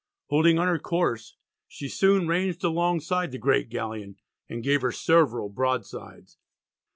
Holding on her course she soon ranged alongside the great galleon, and gave her several broadsides.